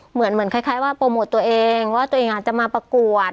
เหมือนคล้ายว่าโปรโมทตัวเองว่าตัวเองอาจจะมาประกวด